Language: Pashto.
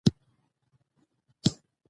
د نجونو ښوونه د خلکو ترمنځ همکاري ساتي.